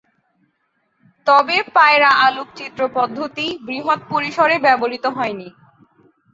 তবে পায়রা আলোকচিত্র পদ্ধতি বৃহৎ পরিসরে ব্যবহৃত হয়নি।